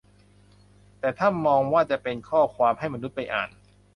แต่ถ้ามองว่าจะเป็นข้อความให้มนุษย์ไปอ่าน